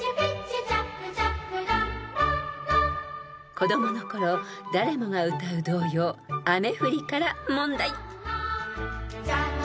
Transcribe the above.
［子供の頃誰もが歌う童謡『あめふり』から問題］